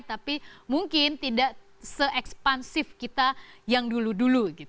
tapi mungkin tidak se ekspansif kita yang dulu dulu